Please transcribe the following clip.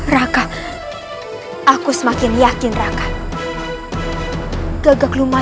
saya saya tetap mudah ny lari bagi tuhan